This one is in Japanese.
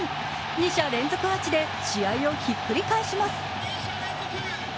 ２者連続アーチで試合をひっくり返します。